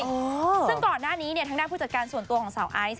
ซึ่งก่อนหน้านี้เนี่ยทางด้านผู้จัดการส่วนตัวของสาวไอซ์